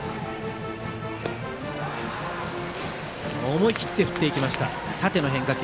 思い切って振っていきました、縦の変化球。